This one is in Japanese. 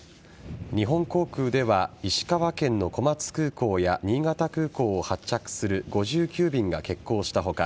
日本航空では石川県の小松空港や新潟空港を発着する５９便が欠航した他